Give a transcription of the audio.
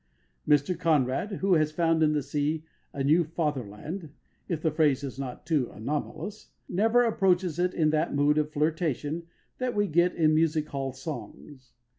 Mr Conrad, who has found in the sea a new fatherland if the phrase is not too anomalous never approaches it in that mood of flirtation that we get in music hall songs.